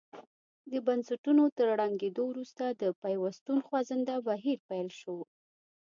د بنسټونو تر ړنګېدو وروسته د پیوستون خوځنده بهیر پیل شو.